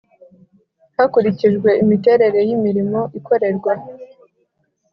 hakurikijwe imiterere y imirimo ikorerwa